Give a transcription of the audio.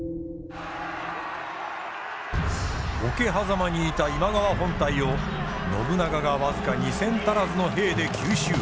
桶狭間にいた今川本隊を信長が僅か２，０００足らずの兵で急襲。